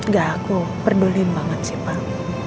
gak aku peduli banget sih pak